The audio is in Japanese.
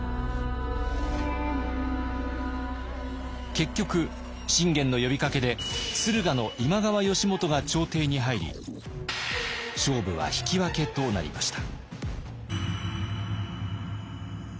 結局信玄の呼びかけで駿河の今川義元が調停に入り勝負は引き分けとなりました。